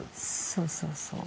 そうそうそう。